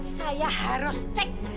saya harus cek